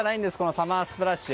サマースプラッシュ。